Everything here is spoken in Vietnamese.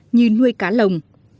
như nuôi cá lồng